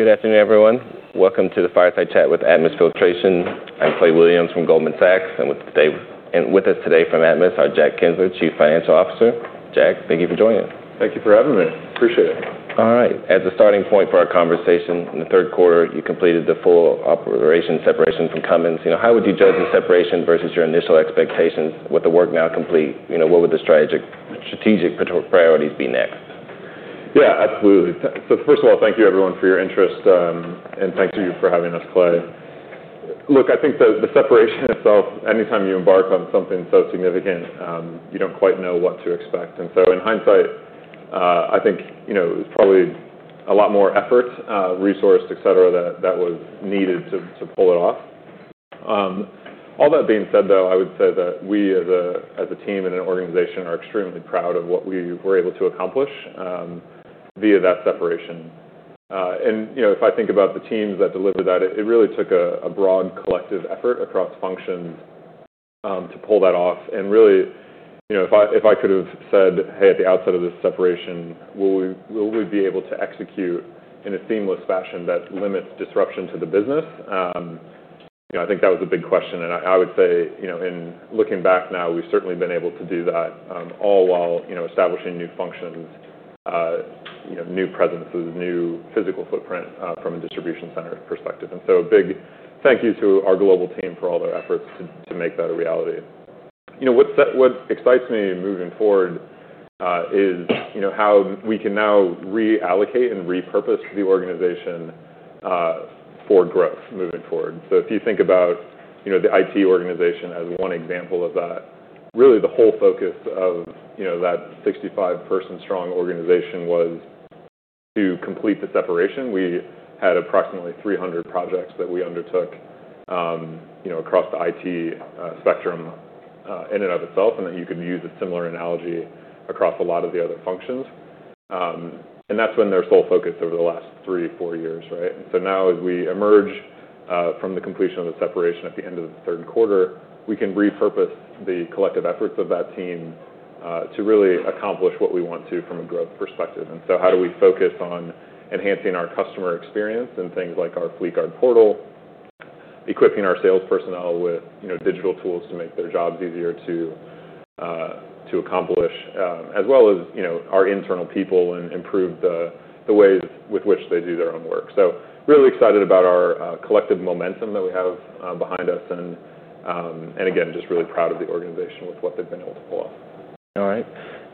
Good afternoon, everyone. Welcome to the fireside chat with Atmus Filtration. I'm Clay Williams from Goldman Sachs, and with us today from Atmus are, Jack Kienzler, Chief Financial Officer. Jack, thank you for joining us. Thank you for having me. Appreciate it. All right. As a starting point for our conversation, in the third quarter, you completed the full operational separation from Cummins. How would you judge the separation versus your initial expectations? With the work now complete, what would the strategic priorities be next? Yeah, absolutely. First of all, thank you, everyone for your interest, and thanks to you for having us, Clay. Look, I think the separation itself, anytime you embark on something so significant, you don't quite know what to expect. In hindsight, I think it was probably a lot more effort, resource, etc, that was needed to pull it off. All that being said though, I would say that we as a team and an organization are extremely proud of what we were able to accomplish via that separation. If I think about the teams that delivered that, it really took a broad collective effort across functions to pull that off. Really, if I could have said, "Hey, at the outset of this separation, will we be able to execute in a seamless fashion that limits disruption to the business?" I think that was a big question. I would say looking back now, we've certainly been able to do that, all while establishing new functions, new presences, new physical footprint from a distribution center perspective. A big thank you to our global team for all their efforts to make that a reality. What excites me moving forward is how we can now reallocate and repurpose the organization for growth moving forward. If you think about the IT organization as one example of that, really the whole focus of that 65-person-strong organization was to complete the separation. We had approximately 300 projects that we undertook across the IT spectrum in and of itself, and then you could use a similar analogy across a lot of the other functions. That's been their sole focus over the last three, four years, right? Now as we emerge from the completion of the separation at the end of the third quarter, we can repurpose the collective efforts of that team to really accomplish what we want to from a growth perspective. How do we focus on enhancing our customer experience in things like our Fleetguard portal, equipping our sales personnel with digital tools to make their jobs easier to accomplish, as well as our internal people and improve the ways with which they do their own work? Really excited about our collective momentum that we have behind us, and again just really proud of the organization with what they've been able to pull off. All right.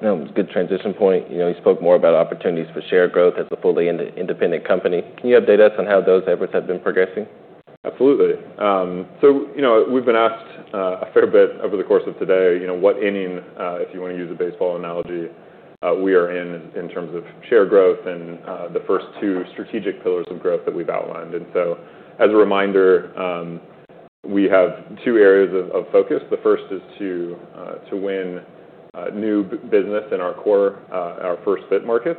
Now, a good transition point. You spoke more about opportunities for share growth as a fully independent company. Can you update us on how those efforts have been progressing? Absolutely. We've been asked a fair bit over the course of today, what [inning], if you want to use a baseball analogy, we are in in terms of share growth and the first two strategic pillars of growth that we've outlined. As a reminder, we have two areas of focus. The first is to win new business in our core, our first-fit markets.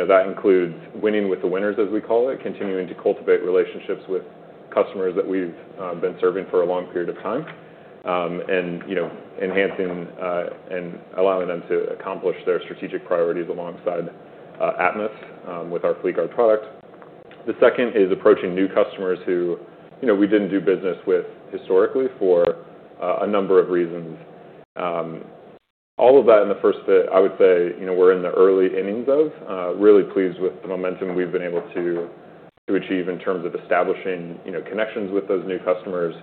That includes winning with the winners, as we call it, continuing to cultivate relationships with customers that we've been serving for a long period of time, and enhancing and allowing them to accomplish their strategic priorities alongside Atmus with our Fleetguard product. The second is approaching new customers who we didn't do business with historically for a number of reasons. All of that in the first-fit, I would say we're in the early innings of. Really pleased with the momentum we've been able to achieve in terms of establishing connections with those new customers,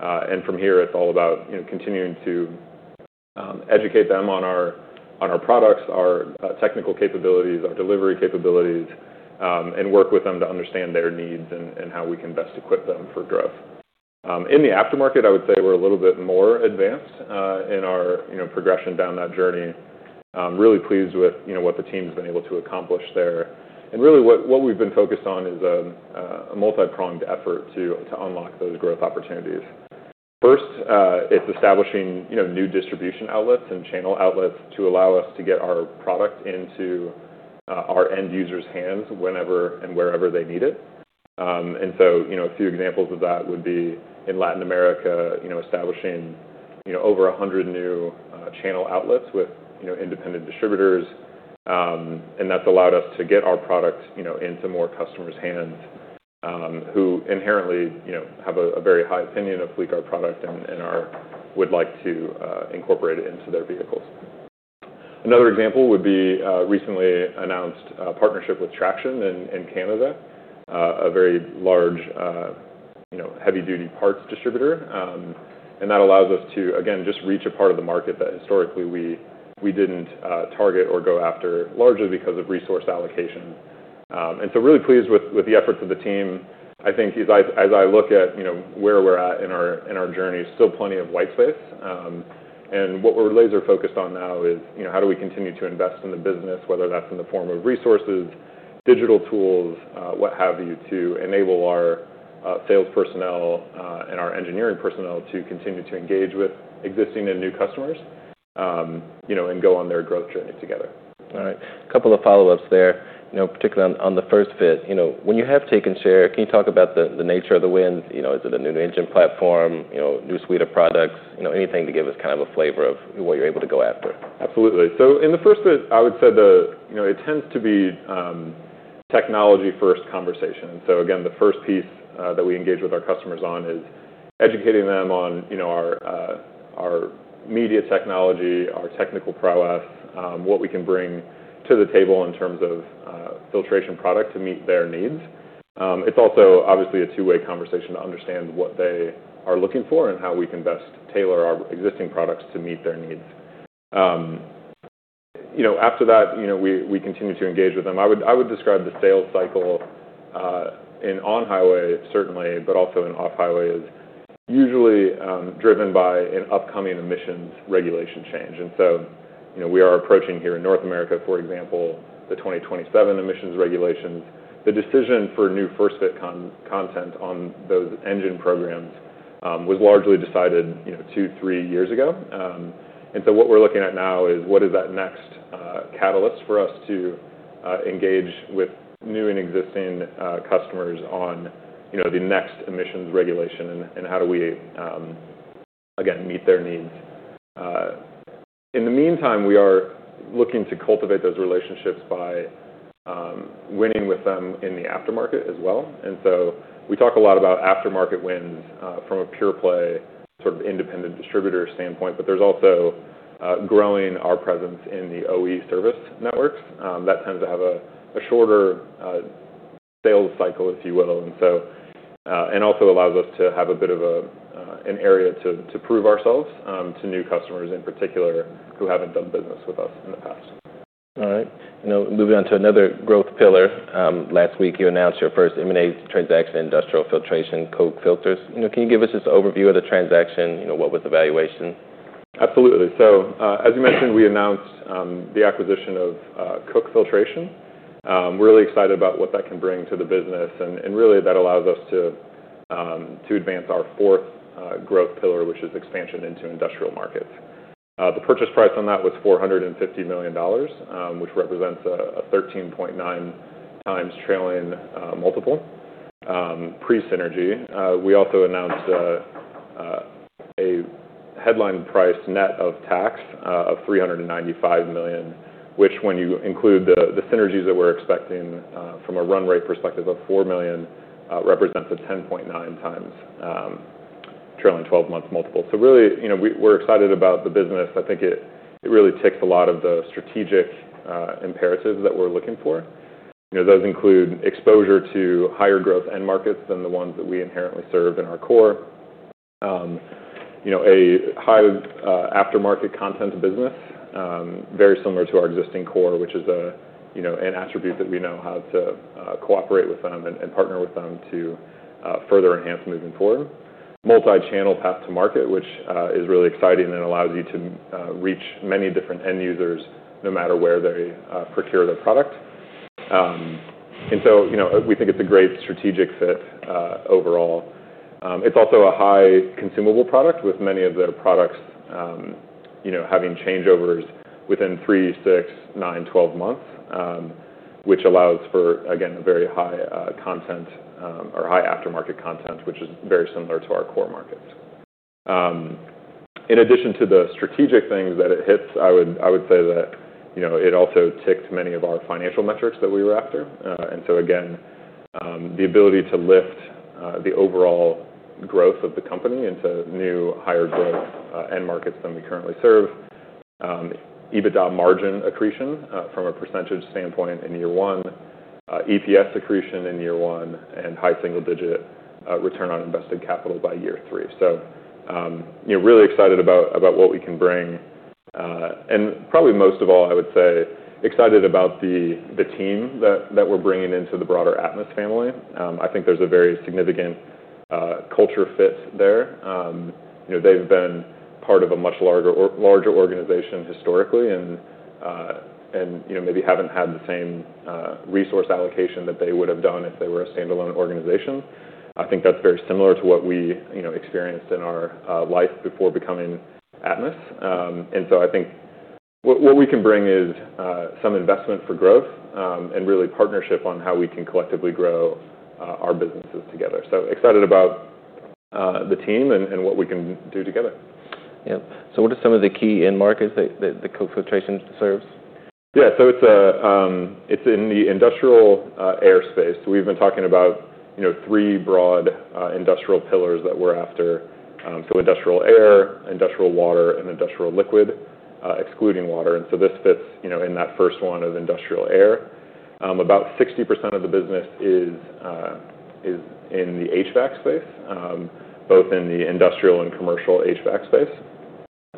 and from here, it's all about continuing to educate them on our products, our technical capabilities, our delivery capabilities, and work with them to understand their needs and how we can best equip them for growth. In the aftermarket, I would say we're a little bit more advanced in our progression down that journey. Really pleased with what the team's been able to accomplish there, and really what we've been focused on is a multi-pronged effort to unlock those growth opportunities. First, it's establishing new distribution outlets and channel outlets, to allow us to get our product into our end users' hands whenever and wherever they need it. A few examples of that would be in Latin America, establishing over 100 new channel outlets with independent distributors. That's allowed us to get our product into more customers' hands, who inherently have a very high opinion of Fleetguard product and would like to incorporate it into their vehicles. Another example would be, recently announced a partnership with Traction in Canada, a very large heavy-duty parts distributor. That allows us to again, just reach a part of the market that historically we didn't target or go after, largely because of resource allocation. Really pleased with the efforts of the team. I think as I look at where we're at in our journey, still plenty of white space. What we're laser-focused on now is, how do we continue to invest in the business? Whether that's in the form of resources, digital tools, what have you, to enable our sales personnel and our engineering personnel to continue to engage with existing and new customers, and go on their growth journey together. All right. A couple of follow-ups there, particularly on the first-fit. When you have taken share, can you talk about the nature of the wins? Is it a new engine platform, new suite of products? Anything to give us kind of a flavor of what you're able to go after? Absolutely. In the first-fit, I would say it tends to be technology-first conversation. Again, the first piece that we engage with our customers on is educating them on our media technology, our technical prowess, what we can bring to the table in terms of filtration product to meet their needs. It's also obviously a two-way conversation to understand what they are looking for, and how we can best tailor our existing products to meet their needs. After that, we continue to engage with them. I would describe the sales cycle on-highway certainly, but also in off-highway, is usually driven by an upcoming emissions regulation change. We are approaching here in North America, for example, the 2027 emissions regulations. The decision for new first-fit content on those engine programs was largely decided two, three years ago. What we're looking at now is, what is that next catalyst for us to engage with new and existing customers on the next emissions regulation and how do we again meet their needs? In the meantime, we are looking to cultivate those relationships by winning with them in the aftermarket as well. We talk a lot about aftermarket wins from a pure-play independent distributor standpoint, but there's also growing our presence in the OE service networks. That tends to have a shorter sales cycle, if you will and also allows us to have a bit of an area to prove ourselves to new customers in particular who haven't done business with us in the past. All right. Now, moving on to another growth pillar. Last week, you announced your first M&A transaction, industrial filtration Koch Filters. Can you give us just an overview of the transaction? What was the valuation? Absolutely. As you mentioned, we announced the acquisition of Koch Filter. We're really excited about what that can bring to the business. Really, that allows us to advance our fourth growth pillar, which is expansion into industrial markets. The purchase price on that was $450 million, which represents a 13.9x trailing multiple pre-synergy. We also announced a headline price net of tax of $395 million, which when you include the synergies that we're expecting from a run rate perspective of $4 million, represents a 10.9x trailing 12-month multiple. Really, we're excited about the business. I think it really ticks a lot of the strategic imperatives that we're looking for. Those include exposure to higher growth end markets than the ones that we inherently serve in our core, a high aftermarket content business, very similar to our existing core, which is an attribute that we know how to cooperate with them and partner with them to further enhance moving forward. Multi-channel path to market, which is really exciting and allows you to reach many different end users no matter where they procure their product. We think it's a great strategic fit overall. It's also a high consumable product, with many of their products having changeovers within three, six, nine, 12 months, which allows for again, a very high content or high aftermarket content, which is very similar to our core markets. In addition to the strategic things that it hits, I would say that it also ticked many of our financial metrics that we were after. Again, the ability to lift the overall growth of the company into new higher growth end markets than we currently serve, EBITDA margin accretion from a percentage standpoint in year one, EPS accretion in year one and high single-digit return on invested capital by year three. Really excited about what we can bring. Probably most of all, I would say excited about the team that we're bringing into the broader Atmus family. I think there's a very significant culture fit there. They've been part of a much larger organization historically, and maybe haven't had the same resource allocation that they would have done if they were a standalone organization. I think that's very similar to what we experienced in our life before becoming Atmus. I think what we can bring is some investment for growth, and really partnership on how we can collectively grow our businesses together, so excited about the team and what we can do together. Yeah, so what are some of the key end markets that Koch Filtration serves? Yeah. It's in the industrial air space. We've been talking about three broad industrial pillars that we're after, so industrial air, industrial water, and industrial liquid, excluding water. This fits in that first one of industrial air. About 60% of the business is in the HVAC space, both in the industrial and commercial HVAC space.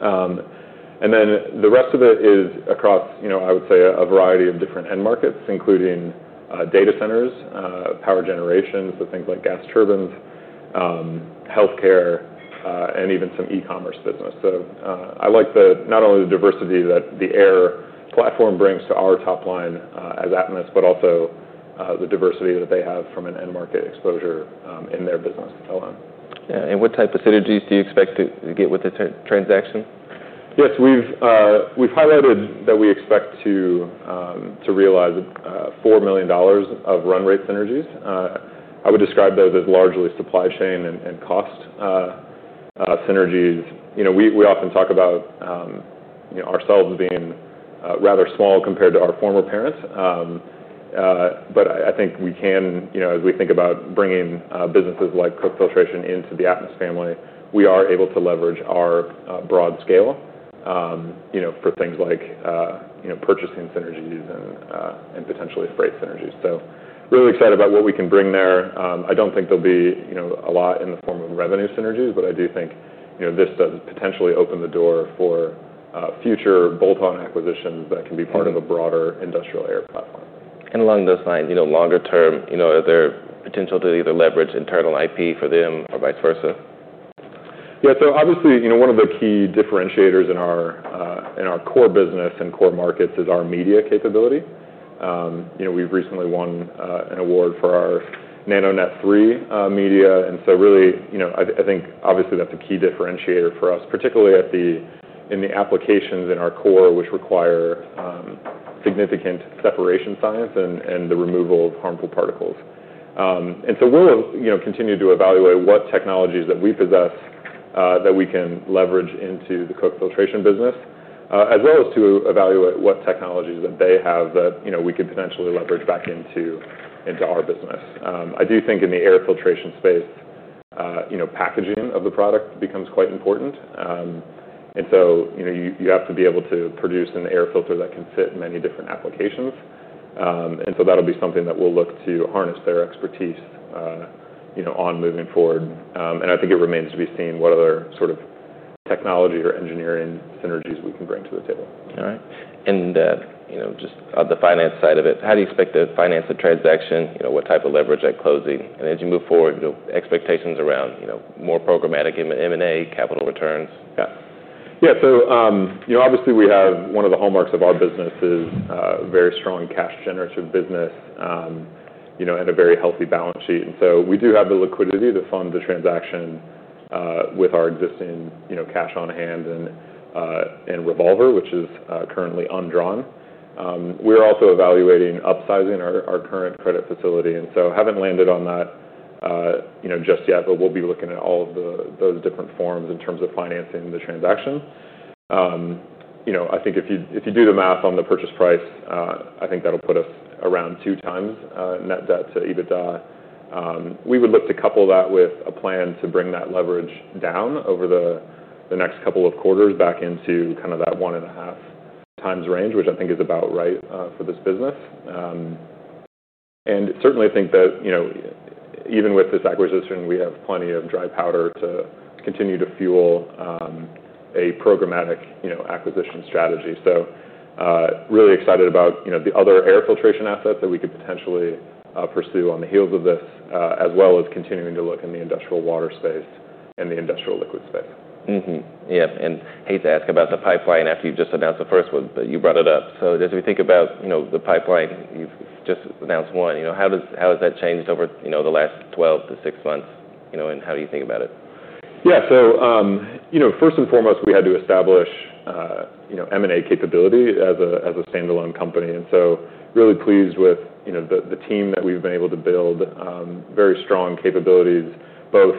The rest of it is across, I would say a variety of different end markets, including data centers, power generation, so things like gas turbines, healthcare, and even some e-commerce business. I like not only the diversity that the air platform brings to our top line as Atmus, but also the diversity that they have from an end market exposure in their business alone. Yeah, and what type of synergies do you expect to get with this transaction? Yes. We've highlighted that we expect to realize $4 million of run-rate synergies. I would describe those as largely supply chain and cost synergies. We often talk about ourselves being rather small compared to our former parents, but I think we can, as we think about bringing businesses like Koch Filtration into the Atmus family, we are able to leverage our broad scale for things like purchasing synergies and potentially freight synergies. Really excited about what we can bring there. I don't think there'll be a lot in the form of revenue synergies, but I do think this does potentially open the door for future bolt-on acquisitions that can be part of a broader industrial air platform. Along those lines, longer term, is there potential to either leverage internal IP for them or vice versa? Yeah. Obviously, one of the key differentiators in our core business and core markets is our media capability. We've recently won an award for our NanoNet N3 media. Really, I think obviously that's a key differentiator for us, particularly in the applications in our core, which require significant separation science and the removal of harmful particles. We'll continue to evaluate what technologies that we possess, that we can leverage into the Koch Filtration business, as well as to evaluate what technologies that they have that we could potentially leverage back into our business. I do think in the air filtration space, packaging of the product becomes quite important, and so you have to be able to produce an air filter that can fit many different applications. That'll be something that we'll look to harness their expertise on moving forward. I think it remains to be seen what other technology or engineering synergies we can bring to the table. All right. Just on the finance side of it, how do you expect to finance the transaction? What type of leverage at closing, and as you move forward, expectations around more programmatic M&A, capital returns? Yeah. Obviously, one of the hallmarks of our business is a very strong cash-generative business and a very healthy balance sheet. We do have the liquidity to fund the transaction with our existing cash on hand and revolver, which is currently undrawn. We're also evaluating upsizing our current credit facility. Haven't landed on that just yet, but we'll be looking at all of those different forms in terms of financing the transaction. I think if you do the math on the purchase price, I think that'll put us around two times net debt to EBITDA. We would look to couple that with a plan to bring that leverage down over the next couple of quarters, back into kind of that one and a half times range, which I think is about right for this business. Certainly, I think that even with this acquisition, we have plenty of dry powder to continue to fuel a programmatic acquisition strategy. Really excited about the other air filtration assets that we could potentially pursue on the heels of this, as well as continuing to look in the industrial water space and the industrial liquid space. Yeah, and I hate to ask about the pipeline after you've just announced the first one, but you brought it up. As we think about the pipeline, you've just announced one. How has that changed over the last 12 to six months, and how do you think about it? Yeah. First and foremost, we had to establish M&A capability as a standalone company. Really pleased with the team that we've been able to build, very strong capabilities, both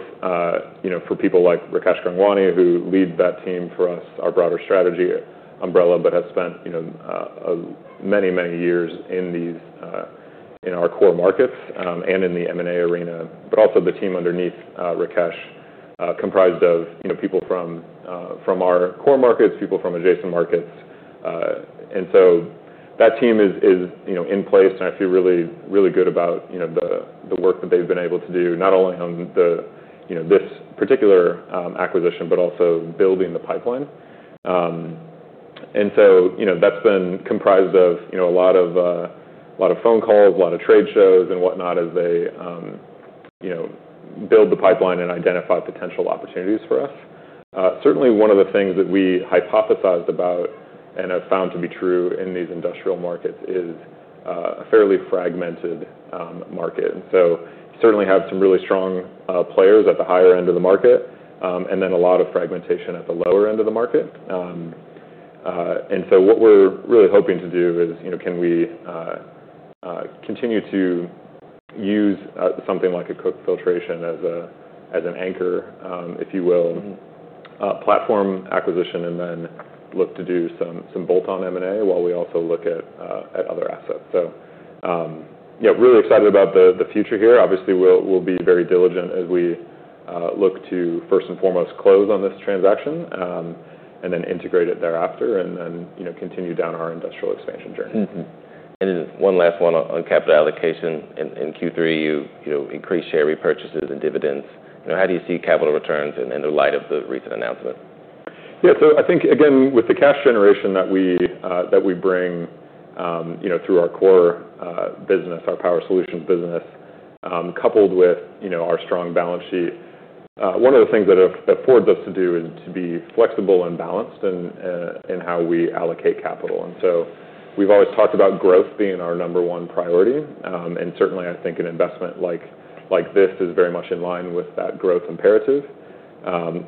for people like Rakesh Gangwani who leads that team for us, our broader strategy umbrella, but has spent many, many years in our core markets and in the M&A arena, but also the team underneath Rakesh, comprised of people from our core markets, people from adjacent markets. That team is in place, and I feel really, really good about the work that they've been able to do, not only on this particular acquisition, but also building the pipeline. That's been comprised of a lot of phone calls, a lot of trade shows and whatnot, as they build the pipeline and identify potential opportunities for us. Certainly, one of the things that we hypothesized about, and have found to be true in these industrial markets is a fairly fragmented market. We certainly have some really strong players at the higher end of the market, and then a lot of fragmentation at the lower end of the market. What we're really hoping to do is, can we continue to use something like a Koch Filtration as an anchor, if you will, platform acquisition and then look to do some bolt-on M&A, while we also look at other assets? Yeah, really excited about the future here. Obviously, we'll be very diligent as we look to first and foremost close on this transaction, and then integrate it thereafter and then continue down our industrial expansion journey. One last one on capital allocation. In Q3, you increased share repurchases and dividends. How do you see capital returns in the light of the recent announcement? Yeah. I think again, with the cash generation that we bring through our core business, our power solutions business, coupled with our strong balance sheet, one of the things that affords us to do is to be flexible and balanced in how we allocate capital. We've always talked about growth being our number one priority, and certainly I think an investment like this is very much in line with that growth imperative,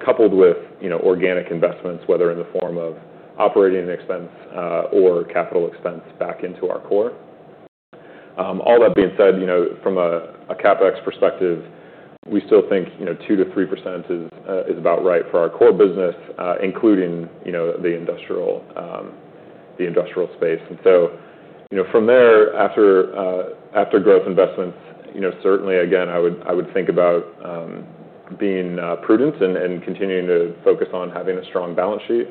coupled with organic investments, whether in the form of operating expense or capital expense back into our core. All that being said, from a CapEx perspective, we still think 2%-3% is about right for our core business, including the industrial space. From there, after growth investments, certainly again, I would think about being prudent and continuing to focus on having a strong balance sheet.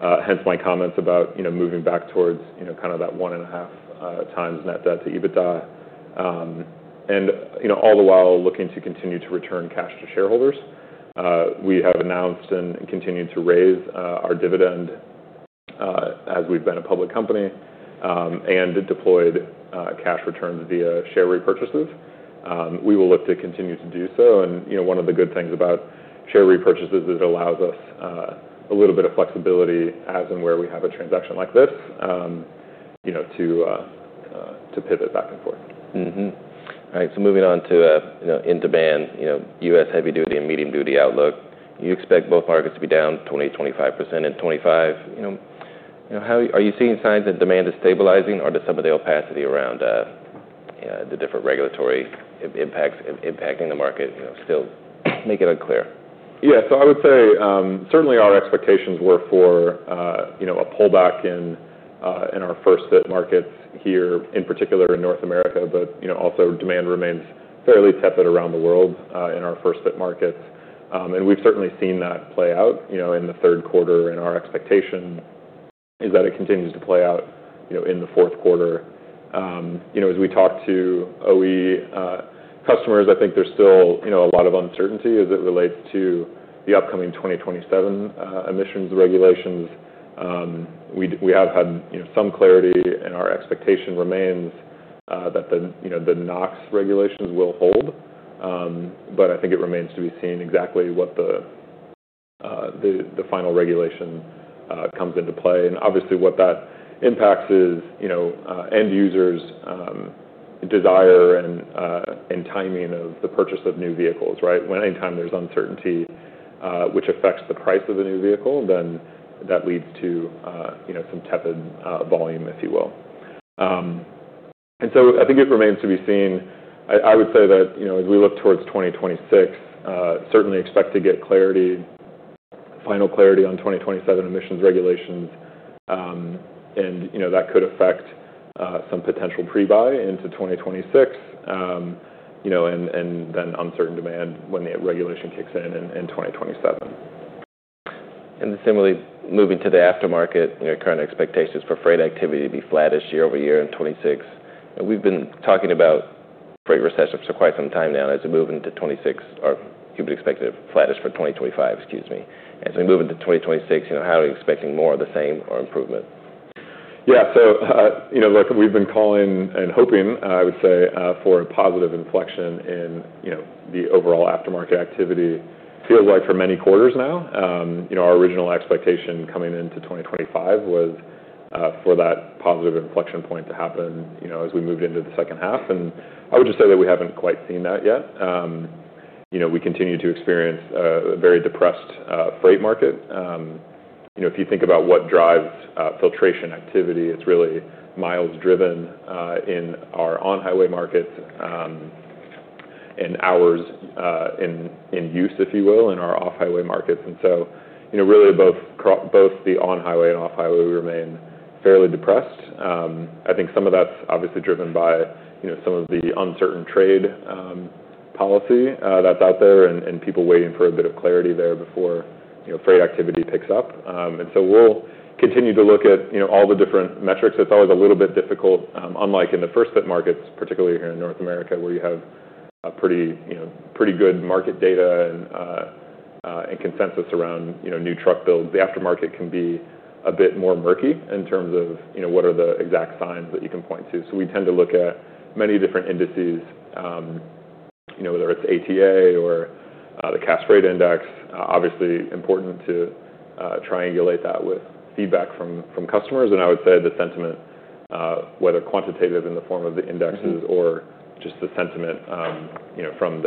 Hence my comments about moving back towards kind of that 1.5x net debt to EBITDA, and all the while looking to continue to return cash to shareholders. We have announced and continued to raise our dividend as we've been a public company, and deployed cash returns via share repurchases. We will look to continue to do so. One of the good things about share repurchases is, it allows us a little bit of flexibility as and where we have a transaction like this to pivot back and forth. All right. Moving on to in-demand, U.S. heavy-duty and medium-duty outlook. You expect both markets to be down 20%-25% in 2025. Are you seeing signs that demand is stabilizing, or does some of the opacity around the different regulatory impacting the market still make it unclear? Yeah. I would say certainly our expectations were for a pullback in our first-fit markets here, in particular in North America, but also demand remains fairly tepid around the world in our first-fit markets. We've certainly seen that play out in the third quarter. Our expectation is that it continues to play out in the fourth quarter. As we talk to OE customers, I think there's still a lot of uncertainty as it relates to the upcoming 2027 emissions regulations. We have had some clarity, and our expectation remains that the NOx regulations will hold. I think it remains to be seen exactly what the final regulation comes into play. Obviously, what that impacts is, end users' desire and timing of the purchase of new vehicles, right? When any time there's uncertainty, which affects the price of the new vehicle, then that leads to some tepid volume, if you will. I think it remains to be seen. I would say that as we look towards 2026, certainly expect to get clarity, final clarity on 2027 emissions regulations. That could affect some potential pre-buy into 2026, and then uncertain demand when the regulation kicks in in 2027. Similarly, moving to the aftermarket, current expectations for freight activity to be flattish year-over-year in 2026. We've been talking about freight recession for quite some time now. As we move into 2026, you would expect it be flattish for 2025, excuse me. As we move into 2026, are we expecting more of the same or improvement? Yeah. look, we've been calling and hoping, I would say for a positive inflection in the overall aftermarket activity. Feels like for many quarters now. Our original expectation coming into 2025 was for that positive inflection point to happen as we moved into the second half. I would just say that we haven't quite seen that yet. We continue to experience a very depressed freight market. If you think about what drives filtration activity, it's really miles driven in our on-highway markets and hours in use, if you will, in our off-highway markets. Really, both the on-highway and off-highway remain fairly depressed. I think some of that's obviously driven by some of the uncertain trade policy that's out there, and people waiting for a bit of clarity there before freight activity picks up. We'll continue to look at all the different metrics. It's always a little bit difficult, unlike in the first-fit markets, particularly here in North America where you have pretty good market data and consensus around new truck builds. The aftermarket can be a bit more murky in terms of, what are the exact signs that you can point to? We tend to look at many different indices, whether it's ATA or the Cass Freight Index. Obviously, important to triangulate that with feedback from customers. I would say the sentiment, whether quantitative in the form of the indexes or just the sentiment from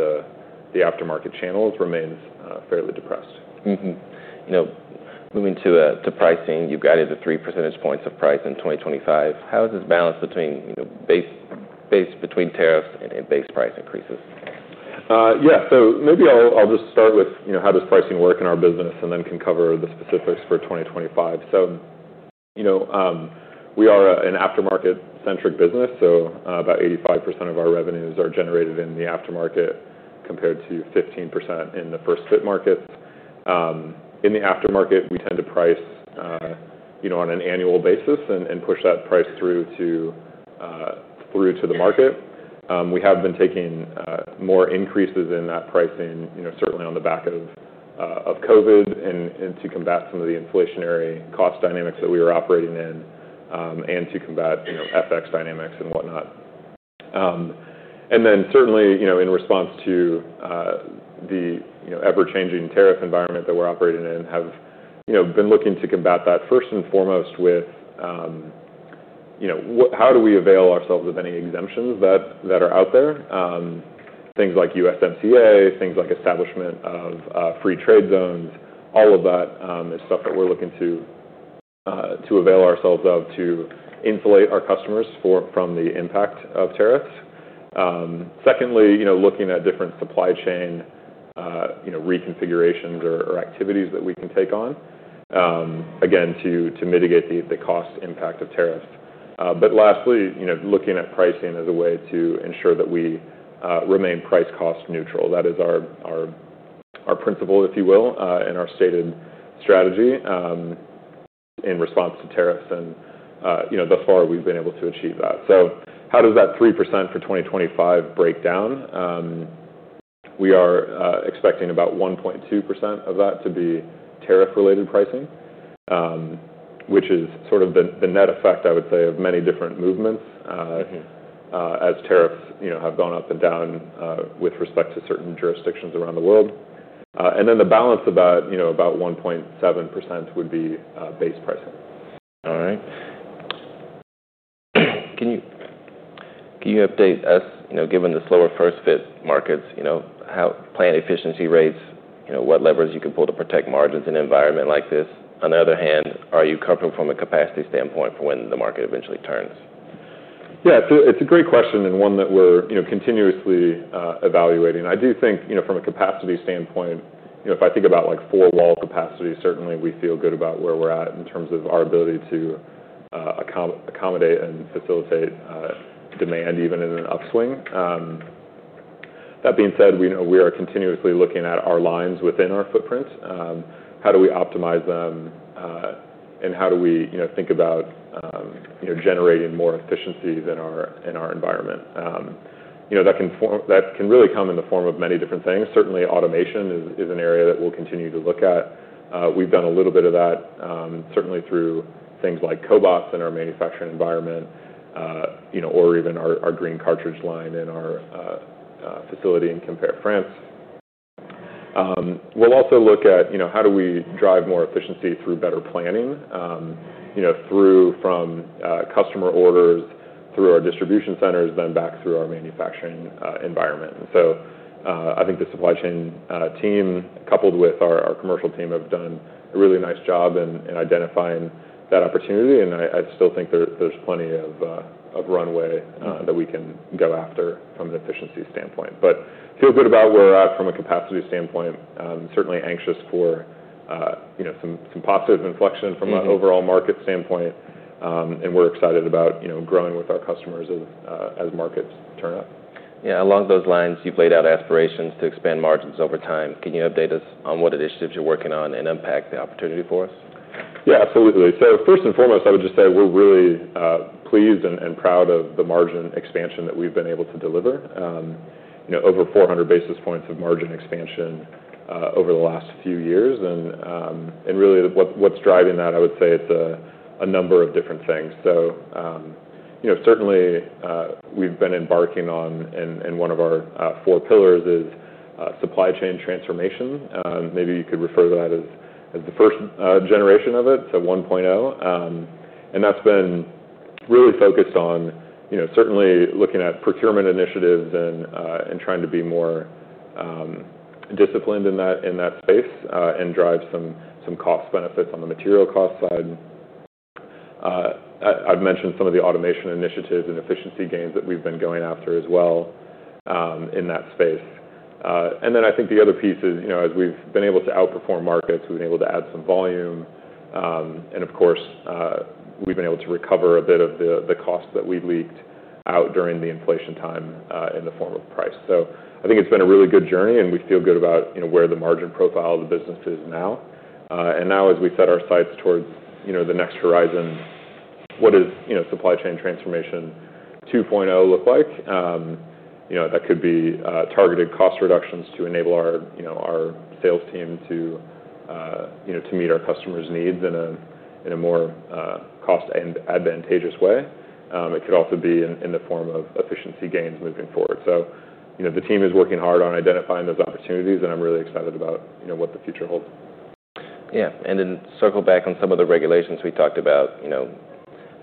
the aftermarket channels remains fairly depressed. Moving to pricing, you've guided the three percentage points of price in 2025. How is this balance between tariffs and base price increases? Yeah. Maybe I'll just start with, how does pricing work in our business and then can cover the specifics for 2025. We are an aftermarket-centric business. About 85% of our revenues are generated in the aftermarket compared to 15% in the first-fit markets. In the aftermarket, we tend to price on an annual basis, and push that price through to the market. We have been taking more increases in that pricing, certainly on the back of COVID and to combat some of the inflationary cost dynamics that we were operating in, and to combat FX dynamics and whatnot. Certainly, in response to the ever-changing tariff environment that we're operating in, have been looking to combat that first and foremost with, how do we avail ourselves of any exemptions that are out there? Things like USMCA, things like establishment of free trade zones. All of that is stuff that we're looking to avail ourselves of, to insulate our customers from the impact of tariffs. Secondly, looking at different supply chain reconfigurations or activities that we can take on, again to mitigate the cost impact of tariffs. Lastly, looking at pricing as a way to ensure that we remain price-cost neutral. That is our principle, if you will, and our stated strategy in response to tariffs. Thus far, we've been able to achieve that. How does that 3% for 2025 break down? We are expecting about 1.2% of that to be tariff-related pricing, which is the net effect, I would say, of many different movements as tariffs have gone up and down with respect to certain jurisdictions around the world. The balance of that, about 1.7% would be base pricing. All right. Can you update us, given the slower first-fit markets, plant efficiency rates, what levers you can pull to protect margins in an environment like this? On the other hand, are you comfortable from a capacity standpoint for when the market eventually turns? Yeah. It's a great question, and one that we're continuously evaluating. I do think from a capacity standpoint, if I think about four-wall capacity, certainly we feel good about where we're at in terms of our ability to accommodate and facilitate demand even in an upswing. That being said, we are continuously looking at our lines within our footprint. How do we optimize them? How do we think about generating more efficiency in our environment? That can really come in the form of many different things. Certainly, automation is an area that we'll continue to look at. We've done a little bit of that, certainly through things like cobots in our manufacturing environment or even our green cartridge line in our facility in Quimper, France. We'll also look at, how do we drive more efficiency through better planning, through customer orders, through our distribution centers, then back through our manufacturing environment? I think the supply chain team, coupled with our commercial team, have done a really nice job in identifying that opportunity. I still think there's plenty of runway that we can go after from an efficiency standpoint, but feel good about where we're at from a capacity standpoint. Certainly anxious for some positive inflection from an overall market standpoint, and we're excited about growing with our customers as markets turn up. Yeah. Along those lines, you've laid out aspirations to expand margins over time. Can you update us on what initiatives you're working on and unpack the opportunity for us? Yeah, absolutely. First and foremost, I would just say we're really pleased and proud of the margin expansion that we've been able to deliver. Over 400 basis points of margin expansion over the last few years, and really what's driving that? I would say, it's a number of different things. Certainly, we've been embarking on, and one of our four pillars is supply chain transformation. Maybe you could refer to that as the first generation of it, so 1.0. That's been really focused on certainly looking at procurement initiatives, and trying to be more disciplined in that space, and drive some cost benefits on the material cost side. I've mentioned some of the automation initiatives, and efficiency gains that we've been going after as well in that space. I think the other piece is, as we've been able to outperform markets, we've been able to add some volume. Of course, we've been able to recover a bit of the cost that we leaked out during the inflation time in the form of price. I think it's been a really good journey, and we feel good about where the margin profile of the business is now. Now, as we set our sights towards the next horizon, what does supply chain transformation 2.0 look like? That could be targeted cost reductions to enable our sales team to meet our customers' needs in a more cost-advantageous way. It could also be in the form of efficiency gains moving forward. The team is working hard on identifying those opportunities, and I'm really excited about what the future holds. Yeah, and then circle back on some of the regulations we talked about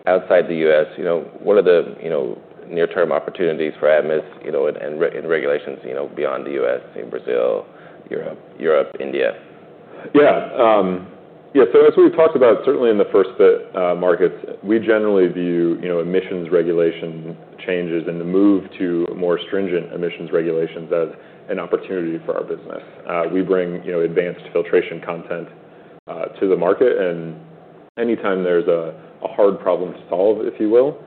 outside the U.S. What are the near-term opportunities for Atmus and regulations beyond the U.S., in Brazil, Europe, India.? Yeah. As we've talked about, certainly in the first-fit markets, we generally view emissions regulation changes, and the move to more stringent emissions regulations as an opportunity for our business. We bring advanced filtration content to the market. Anytime there's a hard problem to solve, if you will,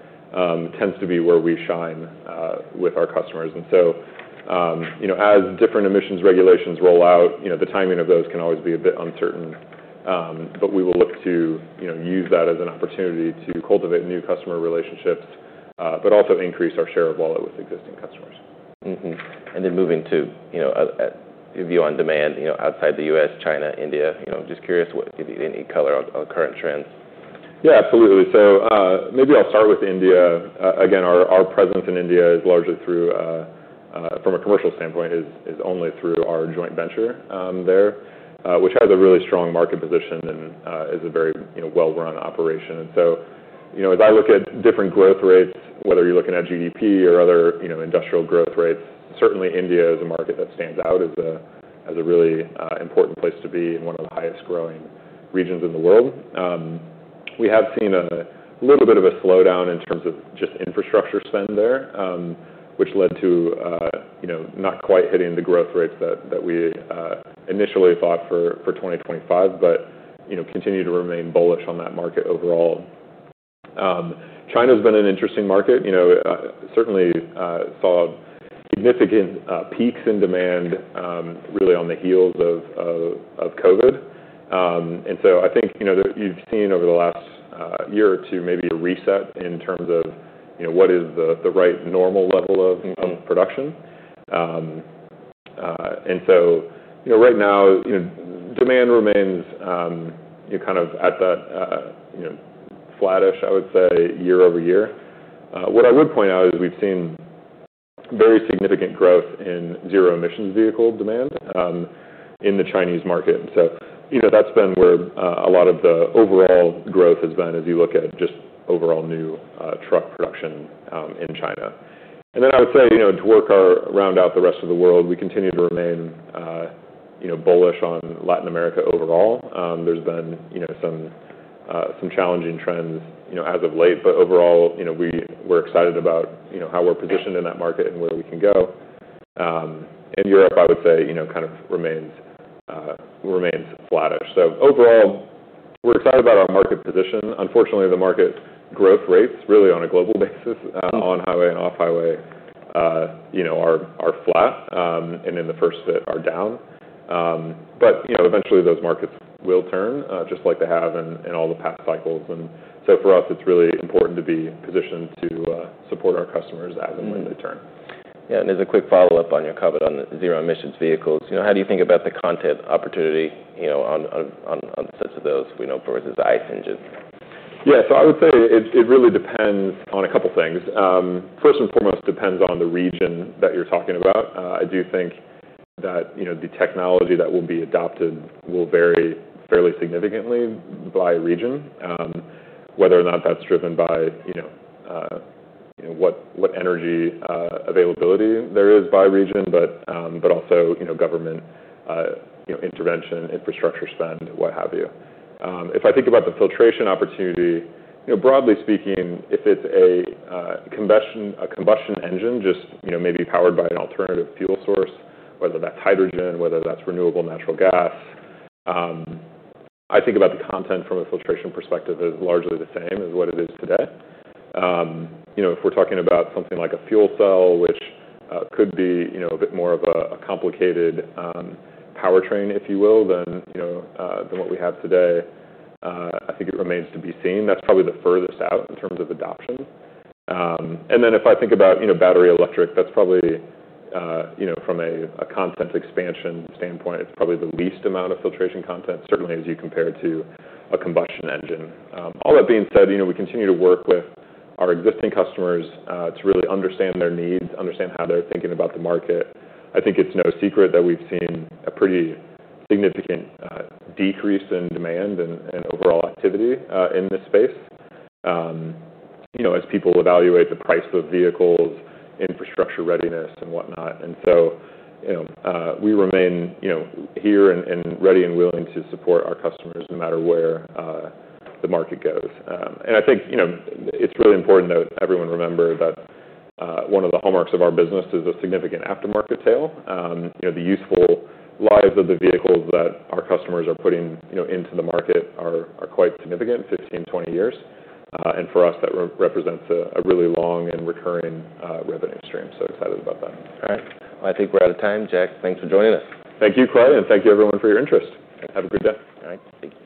tends to be where we shine with our customers. As different emissions regulations roll out, the timing of those can always be a bit uncertain. We will look to use that as an opportunity to cultivate new customer relationships, but also increase our share of wallet with existing customers. Moving to view on demand outside the U.S., China, India, just curious, any color on current trends? Yeah, absolutely. Maybe I'll start with India. Again, our presence in India is largely, from a commercial standpoint, is only through our joint venture there, which has a really strong market position and is a very well-run operation. As I look at different growth rates, whether you're looking at GDP or other industrial growth rates, certainly India is a market that stands out as a really important place to be in one of the highest-growing regions in the world. We have seen a little bit of a slowdown in terms of just infrastructure spend there, which led to not quite hitting the growth rates that we initially thought for 2025, but continue to remain bullish on that market overall. China has been an interesting market. Certainly saw significant peaks in demand really on the heels of COVID. I think you've seen over the last year or two, maybe a reset in terms of, what is the right normal level of production? Right now, demand remains at that flattish, I would say, year-over-year. What I would point out is, we've seen very significant growth in zero-emissions vehicle demand in the Chinese market. That's been where a lot of the overall growth has been as you look at just overall new truck production in China. I would say, to work round out the rest of the world, we continue to remain bullish on Latin America overall. There's been some challenging trends as of late, but overall, we're excited about how we're positioned in that market and where we can go. Europe, I would say kind of remains flattish. Overall, we're excited about our market position. Unfortunately, the market growth rates, really on a global basis on-highway and off-highway are flat, and in the first-fit are down. Eventually, those markets will turn, just like they have in all the past cycles. For us, it's really important to be positioned to support our customers as and when they [return]. Yeah. As a quick follow-up on your comment on zero-emissions vehicles, how do you think about the content opportunity on the sets of those versus the ICE engine? Yeah, so I would say it really depends on a couple of things. First and foremost, it depends on the region that you're talking about. I do think that the technology that will be adopted will vary fairly significantly by region, whether or not that's driven by what energy availability there is by region, but also government intervention, infrastructure spend, what have you. If I think about the filtration opportunity, broadly speaking, if it's a combustion engine, just maybe powered by an alternative fuel source, whether that's hydrogen, whether that's renewable natural gas, I think about the content from a filtration perspective as largely the same as what it is today. If we're talking about something like a fuel cell, which could be a bit more of a complicated powertrain, if you will, than what we have today, I think it remains to be seen. That's probably the furthest out in terms of adoption. If I think about battery electric, from a content expansion standpoint, it's probably the least amount of filtration content, certainly as you compare to a combustion engine. All that being said, we continue to work with our existing customers to really understand their needs, understand how they're thinking about the market. I think it's no secret that we've seen a pretty significant decrease in demand and overall activity in this space, as people evaluate the price of vehicles, infrastructure readiness, and whatnot. We remain here and ready, and willing to support our customers no matter where the market goes. I think it's really important that everyone remembers that one of the hallmarks of our business is a significant aftermarket sale. The useful lives of the vehicles that our customers are putting into the market are quite significant, 15 years-20 years. For us, that represents a really long and recurring revenue stream, so excited about that. All right. I think we're out of time, Jack. Thanks for joining us. Thank you, Craig and thank you, everyone for your interest. Have a good day. All right. Thank you.